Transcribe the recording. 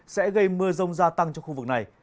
sẽ gây mưa rông gia tăng cho khu vực này